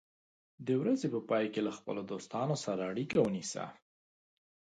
د ورځې په پای کې له خپلو دوستانو سره اړیکه ونیسه.